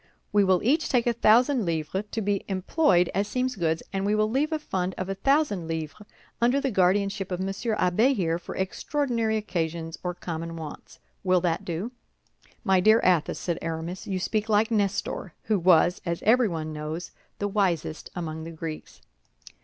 We will each take a thousand livres to be employed as seems good, and we will leave a fund of a thousand livres under the guardianship of Monsieur Abbé here, for extraordinary occasions or common wants. Will that do?" "My dear Athos," said Aramis, "you speak like Nestor, who was, as everyone knows, the wisest among the Greeks."